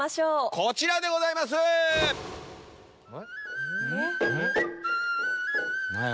こちらでございます！何や？